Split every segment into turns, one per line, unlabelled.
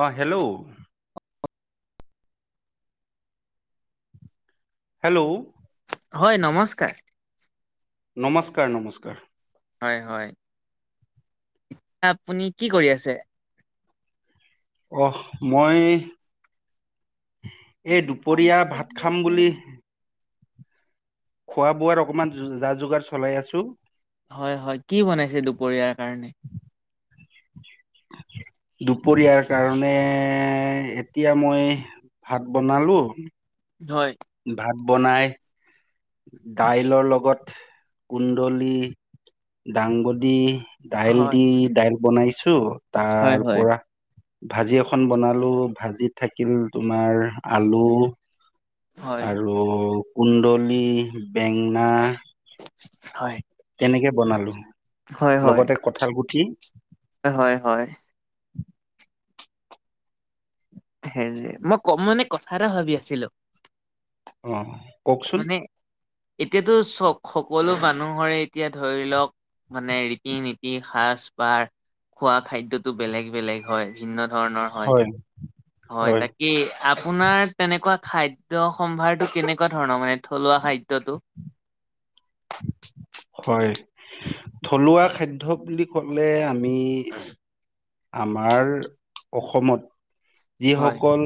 অ', hello. Hello?
হয়, নমস্কাৰ।
নমস্কাৰ, নমস্কাৰ।
হয়, হয়। আপুনি কি কৰি আছে?
অহ, মই এই দুপৰীয়া ভাত খাম বুলি খোৱা বোৱাৰ অকমান, যা-যোগাৰ চলাই আছো।
হয় হয় কি বনাইছে দুপৰীয়াৰ কাৰণে
[unintelligible] দুপৰীয়াৰ কাৰণে এতিয়া মই ভাত বনালো
হয়।
ভাত বনাই দাইলৰ লগত কুন্দলি ডাংবদি দাইল
হয়
দি দাইল বনাইছো,
হয়
তাৰ
হয়
পৰা ভাজি এখন বনালো ভাজিত থাকিল তোমাৰ আলু
হয়
আৰু কুন্দলী, বেঙনা
হয়।
তেনেকে বনালো।
হয়, হয়
লগতে কঁঠাল গুটি
এ হয়, হয়। হেৰি মই কম, মানে কথা এটা ভাবি আছিলো।
অ, অ।
মানে, এতিয়াতো চওক সকলো মানুহৰে এতিয়া ধৰি লওক মানে ৰীতি নীতি সাজ পাৰ খোৱা খাদ্যটো বেলেগ বেলেগ হয় ভিন্ন ধৰণৰ হয়, হয় তাকেই আপোনাৰ তেনেকুৱা খাদ্য সম্ভাৰটো কেনেকুৱা ধৰণৰ মানে থলুৱা খাদ্যটো।
হয়, থলুৱা খাদ্য বুলি ক'লে আমি আমাৰ অসমত
হয়
যিসকল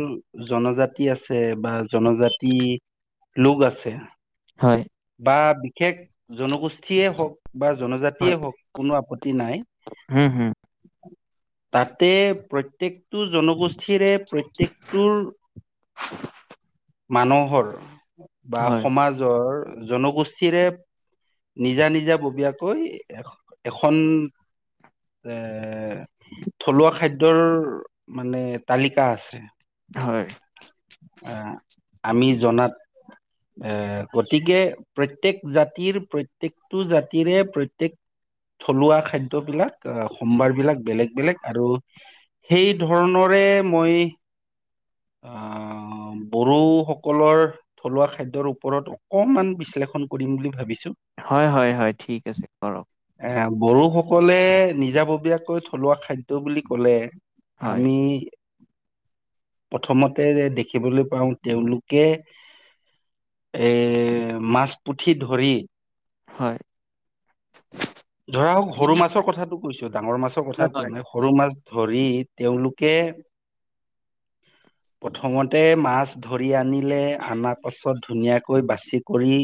জনজাতি আছে বা জনজাতি লোক আছে।
হয়।
বা বিশেষ জনগোষ্ঠীয়ে হওঁক। বা জনজাতিয়ে হওঁক, কোনো আপত্তি নাই।
হম হম
তাতে প্ৰত্যেকটো জনগোষ্ঠীৰে প্ৰত্যেকটোৰ
[unintelligible]
মানুহৰ বা
হয়,
সমাজৰ জনগোষ্ঠীৰে নিজা নিজা ববীয়াকৈ এ এখন। এ, থলুৱা খাদ্যৰ মানে তালিকা আছে।
হয়।
এ আমি জনাত এ, গতিকে প্ৰত্যক জাতিৰ প্ৰত্যকটো জাতিৰে প্ৰত্যক থলুৱা খাদ্যবিলাক সম্ভাৰ বিলাক বেলেগ বেলেগ আৰু সেই ধৰণৰে মই আহ, বড়ো সকলৰ থলুৱা খাদ্যৰ ওপৰত অকমান বিশ্লেষণ কৰিম বুলি ভাবিছো।
হয়, হয়, হয় ঠিক আছে, কৰক।
এ, বড়োসকলে, নিজাববীয়াকৈ থলুৱা খাদ্য বুলি কলে
হয়,
আমি প্ৰথমতে দেখিবলৈ পাওঁ, তেওঁলোকে এ মাছ পুঠি ধৰি
হয়।
ধৰক সৰু মাছৰ কথাটো কৈছো, ডাঙৰ মাছৰ কথা কোৱা নাই। সৰু মাছ ধৰি তেওঁলোকে
[inaudible]
প্ৰথমতে মাছ ধৰি আনিলে অনাৰ পাছত ধুনীয়াকৈ বাছি কৰি-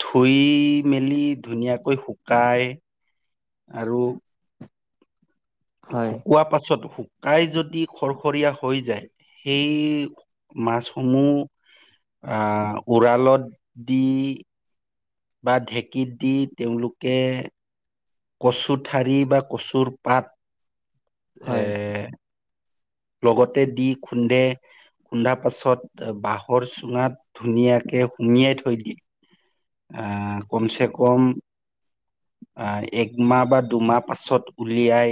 ধুই মেলি ধুনীয়াকৈ শুকাই- আৰু-
হয়,
শুকোৱা পাছত- খাই যদি খৰখৰীয়া হৈ যায় সেই মাছসমূহ- আ' উৰালত দি- বা ঢেঁকীত দি তেওঁলোকে- কচু ঠাৰি বা কচুৰ পাত
হয়, হয়,
এ- লগতে দি খুন্দে। খুন্দা পাছত বাঁহৰ চুঙাত ধুনীয়াকে সুমিয়াই থৈ দিয়ে। আহ' কম-ছেকম- আ', একমাহ বা দুমাহ পাছত উলিয়াই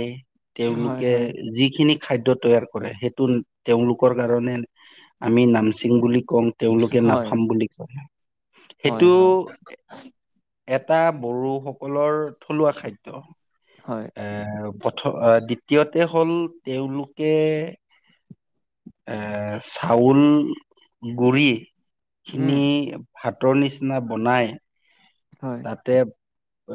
হয়, হয়,
তেওঁলোকে যিখিনি- খাদ্য তৈয়াৰ কৰে সেইটো তেওঁলোকৰ কাৰণে আমি নামচিং বুলি কওঁ। তেওঁলোকে নাফাম বুলি- সেইটো
হয়-হয়।
এটা বড়োসকলৰ থলুৱা খাদ্য।
হয়।
এ' প্ৰথম, দ্বিতীয়তে হ'ল তেওঁলোকে- এ' চাউল গুৰি-
উম,
খিনি ভাতৰ নিচিনা বনাই-
হয়,
তা'তে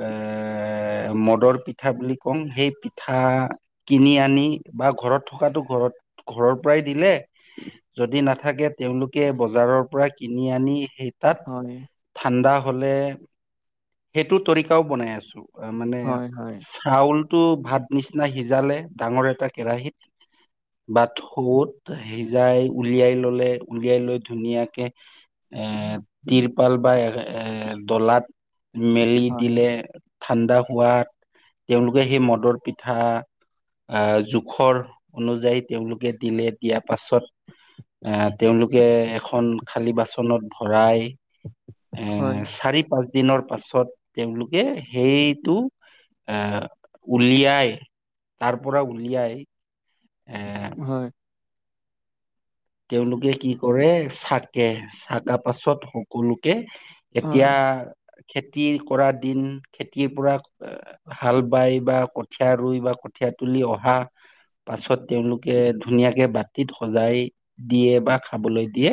এ' মদৰ পিঠা বুলি কমং সেই পিঠা- কিনি আনি বা ঘৰত থকাটো ঘৰত ঘৰৰ পৰাই দিলে- যদি নাথাকে তেওঁলোকে বজাৰৰ পৰা কিনি আনি সেই- তা'ত
হয়,
ঠাণ্ডা হ'লে- সেইটো তৰিকাও বনাই আছো। তাৰ মানে-
হয়, হয়,
চাউলটো ভাত নিচিনা সিজালে ডাঙৰ এটা কেৰাহীত- বা থৌত সিজাই উলিয়াই ল'লে উলিয়াই লৈ ধুনীয়াকে- এ' টিৰপাল বা এ' ডলাত- মেলি
হয়,
দিলে ঠাণ্ডা হোৱাত তেওঁলোকে সেই মদৰ পিঠা আ' জোখৰ অনুযায়ী তেওঁলোকে দিলে দিয়াৰ পাছত- আঁহ', তেওঁলোকে এখন খালী বাচনত ভৰাই-
হয়,
এ' চাৰি-পাঁচ- দিনৰ পাছত তেওঁলোকে সেইটো এ' উলিয়াই- তাৰ পৰা উলিয়াই। আঁহ'।
হয়।
তেওঁলোকে কি কৰে চাকে চাকা পাছত সকলোকে- এতিয়া খেতি কৰা দিন খেতিৰ পৰা- হাল বাই বা কঠীয়া ৰুই বা কঠিয়া তুলি অহা- পাছত তেওঁলোকে ধুনীয়াকে বাতি'ত সজাই- দিয়ে বা খাবলৈ দিয়ে,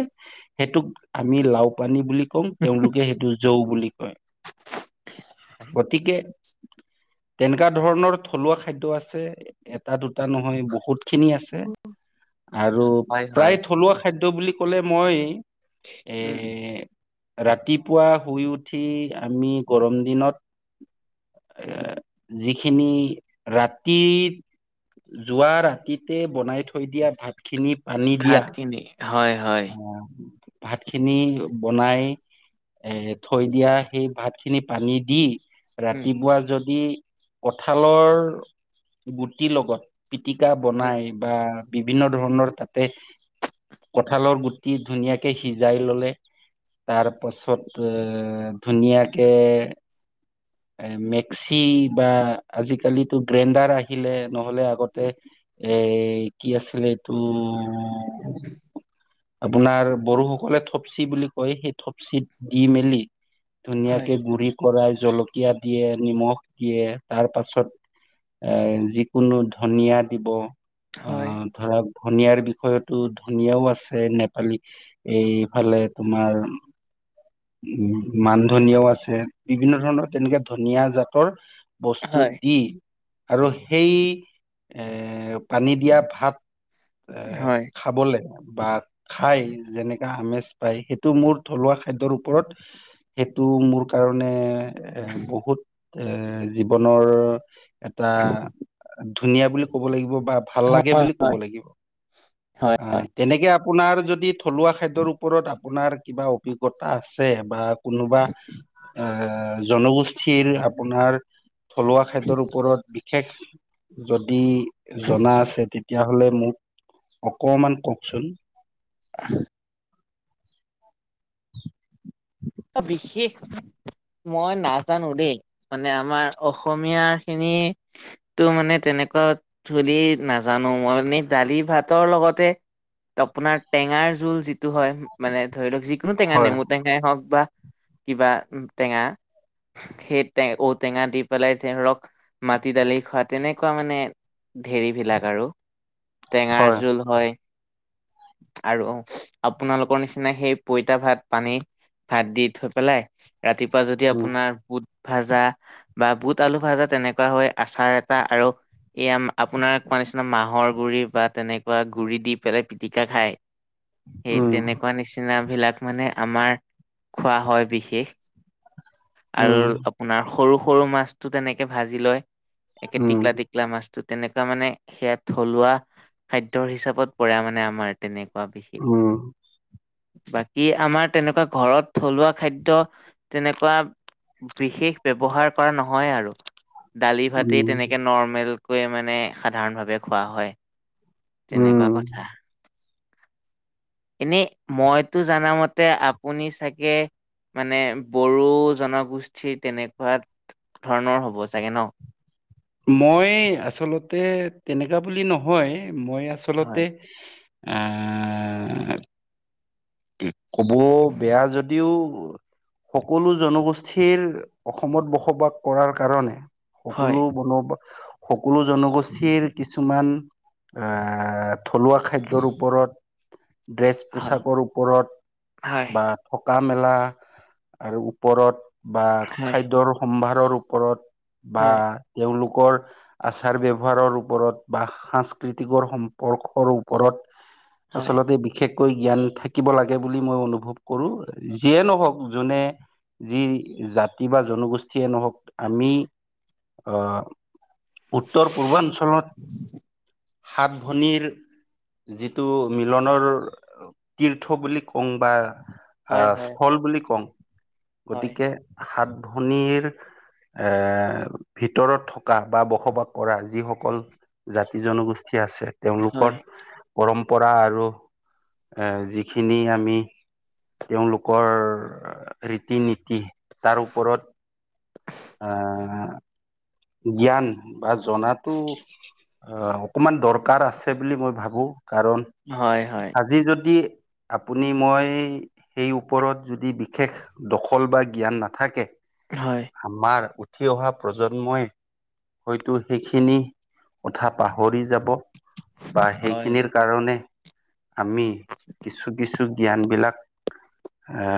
সেইটোক আমি লাউ পানী বুলি কওঁ তেওঁলোকে সেইটো- যৌ বুলি কয়। গতিকে- তেনেকা ধৰণৰ থলুৱা খাদ্য আছে এটা-দুটা নহয় বহুত- খিনি আছ। আৰু
হয়, হয়,
প্ৰায় থলুৱা খাদ্য বুলি ক'লে মই, এ
উম,
ৰাতিপুৱা শুই উঠি আমি গৰম দিনত এ যিখিনি ৰাতিৰ যোৱা ৰাতিতে বনাই থৈ দিয়া ভাত খিনিত
ভাত খিনি, হয় হয়।
ভাত খিনি বনাই এ থৈ দিয়া সেই ভাত খিনি পানী দি
উম,
ৰাতিপুৱা যদি কঁঠালৰ গুটি লগত পিটিকা
হয়,
বনাই বা বিভিন্ন ধৰণৰ তাতে কঁঠালৰ গুটি ধুনীয়াকে সিজাই ল'লে তাৰপাছত এ ধুনীয়াকে
[inaudible]
এ মেক্সি বা আজিকালিতো গ্ৰেণ্ডাৰ আহিলে নহ'লে আগতে এই কি আছিলে এইটো আপোনাৰ বড়োসকলে থপচি বুলি কয়, সেই থপচিত দি মেলি
হয়,
ধুনীয়াকে গুৰি কৰাই, জলকীয়া দিয়ে, নিমখ দিয়ে তাৰপাছত এ যিকোনো ধনীয়া দিব
হয়,
অঁ ধৰক ধনীয়াৰ বিষয়তো ধনীয়াও আছ ছে নেপালী এইফালে তোমাৰ উম মান ধনীয়াও আছে বিভিন্ন ধৰণৰ তেনেকে ধনীয়া জাতৰ
হয়,
বস্তুত দি আৰু সেই এ পানী দিয়া ভাত এ
হয়,
খাবলে বা খায় যেনেকা আমেজ পায় সেইটো মোৰ থলুৱা খাদ্যৰ ওপৰত সেইটো মোৰ কাৰণে এ বহুত এ জীৱনৰ এটা ধুনীয়া বুলি ক'ব লাগিব বা ভাল
হয়,
লাগে
হয়,
বুলি ক'ব লাগিব,
হয়,
আ
হয়,
তেনেকে আপোনাৰ যদি থলুৱা খাদ্যৰ ওপৰত আপোনাৰ কিবা অভিজ্ঞতা আছে বা কোনোবা এ জনগোষ্ঠীৰ অপোনাৰ থলুৱা খাদ্যৰ ওপৰত বিশেষ যদি জনা আছে তে তেতিয়াহলে মোক অকমান কওঁকচোন।
[inaudible]
[inaudible]
অঁ বিশেষ মই নাজানো দেই, মানে আমাৰ অসমীয়াৰ খিনি তো মানে তেনেকুৱা ধুলি নাজানো মই এনেই দালি ভাতৰ লগতে আপোনাৰ টেঙাৰ জোল যিটো হয়, মানে ধৰি লওঁক যিকোনো টেঙা
হয়
নেমু টেঙাই হওঁক বা কিবা উ টেঙা। সেই টে ঔটেঙা দি পেলাই ধৰক মাটি দালি খোৱা তেনেকুৱা মানে ধেৰি বিলাক আৰু, টেঙাৰ
হয়
জোল হয় আৰু আপোনালোকৰ নিচিনা সেই পইতা ভাত পানী ভাত দি থৈ পেলাই, ৰাতিপুৱা যদি
উম
আপোনাৰ বুট ভাজা বা বুট আলু ভাজা তেনেকুৱা হয় আচাৰ এটা আৰু এইয়া আপোনাৰ কোৱা নিচিনা মাহৰ গুড়ি বা তেনেকুৱা গুড়ি দি পেলাই পিটিকা খায় সেই
উম
তেনেকুৱা নিচিনা বিলাক মানে আমাৰ খোৱা হয় বিশেষ, আৰু
উম।
আপোনাৰ সৰু সৰু মাছটো তেনেকে ভাজি লয় একে
উম।
টিকলা টিক লা মাছটো, তেনেকুৱা মানে সেয়া থলুৱা খাদ্যৰ হিচাপত পৰে মানে আমাৰ। তেনেকুৱা বিশেষ।
উম
বাকী আমাৰ তেনেকুৱা ঘৰত থলুৱা খাদ্য তেনেকুৱা বিশেষ ব্যৱহাৰ কৰা নহয় আৰু। দালি ভাতেই
উম
তেনেকে নৰ্মেলকৈ মানে সাধাৰণভাৱে খোৱা হয়। তেনেকুৱা
উম।
কথা। এনেই মইতো জানামতে আপ পুনি চাগে মানে বড়ো জনগোষ্ঠীৰ তেনেকুৱাত ধৰণৰ হ'ব চাগে ন?
মই আচলতে তেনেকা বুলি নহয়। মই আচলতে
হয়
আ ক'বও বেয়া যদিও সকলো জনগোষ্ঠীৰ অসমত বসবাস কৰাৰ কাৰণে
হয়
সকলো বন সকলো জনগোষ্ঠীৰ কিছুমান আ থলুৱা খাদ্যৰ ওপৰত, ড্ৰেছ
হয়
পোছাকৰ ওপ পৰত
হয়
বা থকা মেলা আৰু ওপৰত বা
হয়
খাদ্যৰ সম্ভাৰৰ ওপৰত বা
হয়
তেওঁলোকৰ আচাৰ ব্যৱহাৰৰ ওপৰত বা সাংস্কৃতিকৰ সম্পৰ্কৰ ওপৰত
হয়
আচলতে বিশেষকৈ জ্ঞান থাক কিব লাগে বুলি মই অনুভৱ কৰো। যিয়ে নহওক যোনে যি জাতি বা জনগোষ্ঠীয়ে নহওক, আমি আ উত্তৰ-পূৰ্বাঞ্চলত সাত ভনীৰ যিটো মিলনৰ তীৰ্থ বুলি কং বা আ
হয় হয় হয়
স্থল বুলি কং।
হয়
গতিকে হাত ভনীৰ এ ভিতৰত থকা বা বসবাস কৰা যিসকল জাতি-জনগোষ্ঠী আছে
হয়
তেওঁলোকৰ পৰম্পৰা আৰু এ যিখিনি আমি তেওঁলোকৰ ৰীতি- নীতি তাৰ ওপৰত আ জ্ঞান বা জনাতো আহ অকমান দৰকাৰ আছে মই ভাবো। কাৰণ
হয়, হয়।
আজি যদি আপুনি মই সেই ওপৰত যদি বিশেষ দখল বা জ্ঞান নাথাকে
হয়।
আমাৰ উঠি অহা প্ৰজন্মই হয়তো সেইখিনি কথা পাহৰি যাব। বা সেইখিনিৰ কাৰণে আমি কিছু কিছু জ্ঞানবিলাক এ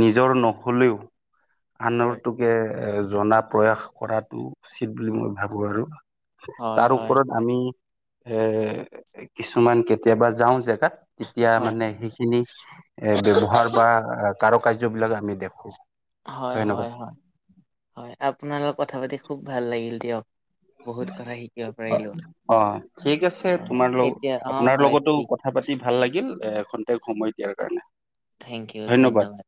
নিজৰ নহ'লেও
হয়
আনৰটোকে এ জনা প্ৰয়াস কৰাটো উচিত বুলি মই ভাবো আৰু
হয় হয়
তাৰ ওপৰত
হয়
আমি এ কিছুমান কেতিয়াবা যাওঁ জেগাত। তেতিয়া মানে সেইখিনি এ ব্যৱহাৰ বা কাৰু কাৰ্যবিলাক আমি দেখো।
হয়
ধন্যবাদ।
হয় হয় হয়, আপোনাৰ লগত কথা পাতি খুব ভাল লাগিল দিয়ক। বহুত কথা শিকিব পাৰিলোঁ।
অ' ঠিক আছে,
হয়,
তোমাৰ লগ
এতিয়া অ',
আপোনাৰ
হয়
লগতো ক
ঠিক,
কথা পাতি ভাল লাগিল, এ খন্তেক সময় দিয়াৰ কাৰণে।
থেংক ইউ, ধন্যবাদ।